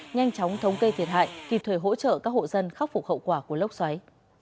nhanh chóng thống kê thiệt hại kịp thời hỗ trợ các hộ dân khắc phục hậu quả của lốc xoáy